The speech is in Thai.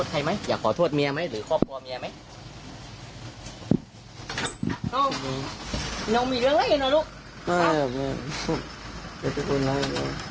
ไม่ไม่ไม่เป็นปัญหาอย่างนั้น